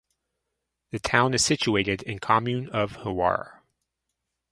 The town is situated in commune of Huara.